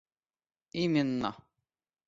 именно